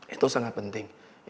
itu sangat penting